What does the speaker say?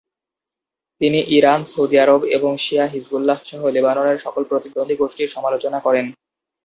তিনি Iran, Saudi Arab এবং শিয়া হিজবুল্লাহ সহ লেবাননের সকল প্রতিদ্বন্দ্বী গোষ্ঠীর সমালোচনা করেন।